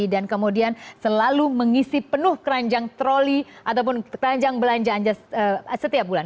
dan kemudian selalu mengisi penuh keranjang troli ataupun keranjang belanjaan setiap bulan